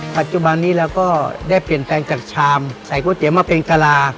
ปัจจุบันนี้เราก็ได้เปลี่ยนแปลงจากชามใส่ก๋วยเตี๋ยวมาเป็นกะลา